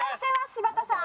柴田さん。